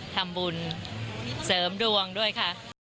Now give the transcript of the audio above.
ทำบุญเสริมดวงด้วยค่ะ